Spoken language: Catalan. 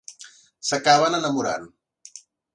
S'acaben enamorant.